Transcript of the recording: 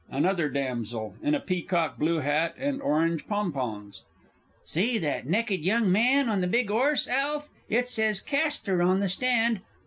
Another Damsel (in a peacock blue hat with orange pompons). See that nekked young man on the big 'orse, ALF? It says "Castor" on the stand.